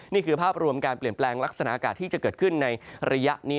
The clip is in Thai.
นี่คือภาพรวมการเปลี่ยนแปลงลักษณะอากาศที่จะเกิดขึ้นในระยะนี้